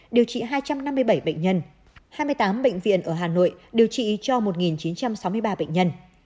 điều trị hai trăm năm mươi bảy bệnh nhân hai mươi tám bệnh viện ở hà nội điều trị cho một chín trăm sáu mươi ba bệnh nhân